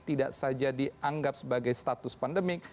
tidak saja dianggap sebagai status pandemik